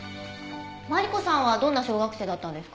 マリコさんはどんな小学生だったんですか？